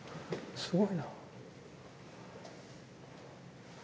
すごいな。